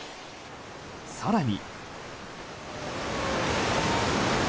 更に。